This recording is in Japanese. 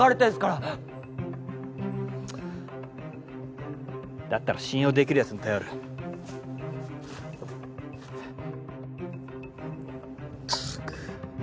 ちっだったら信用できるやつに頼るったく